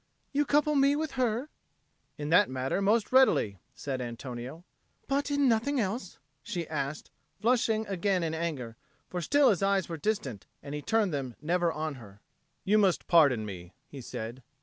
"You couple me with her?" "In that matter most readily," said Antonio. "But in nothing else?" she asked, flushing again in anger, for still his eyes were distant, and he turned them never on her. "You must pardon me," he said.